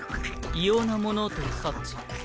異様な物音を察知。